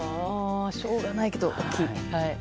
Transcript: しょうがないけど大きい。